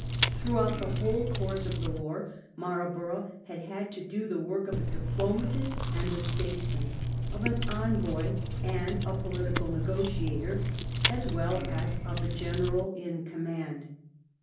Throughout the whole course of the war Marlbor ough had had to do the work of a diplomatist and a statesman, of an envoy and a political negotiator, as well as of a general in command.